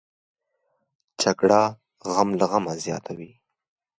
جګړه غم له غمه زیاتوي